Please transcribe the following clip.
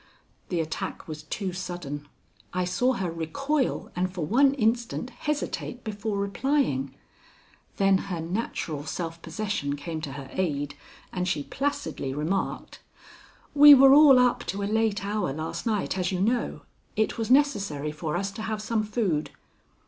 The attack was too sudden. I saw her recoil and for one instant hesitate before replying. Then her natural self possession came to her aid, and she placidly remarked: "We were all up to a late hour last night, as you know. It was necessary for us to have some food."